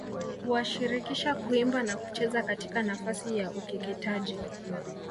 kuwashirikisha kuimba na kucheza katika nafasi ya ukeketaji